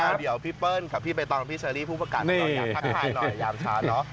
โอเคพี่แมวเดี๋ยวพี่เปิ้ลขับพี่ไปตอนกับพี่เซอรี่ผู้ประกันหน่อยอยากทักทายหน่อย